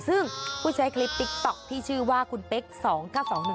ซึ่งผู้ใช้คลิปติ๊กต๊อกที่ชื่อว่าคุณเป๊ก๒๙๒๑